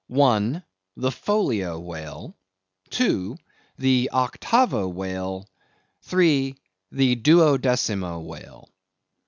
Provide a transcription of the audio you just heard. I. THE FOLIO WHALE; II. the OCTAVO WHALE; III. the DUODECIMO WHALE.